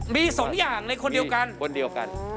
มีสนอย่างในคนเดียวกัน